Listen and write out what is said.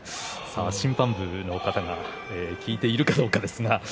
審判部の方が聞いているかどうかですが。